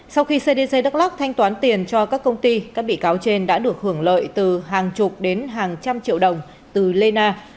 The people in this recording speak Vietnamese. sau khi cdc đắk lắc thanh toán tiền cho các công ty các bị cáo trên đã được hưởng lợi từ hàng chục đến hàng trăm triệu đồng từ lê na